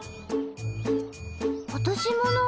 落とし物？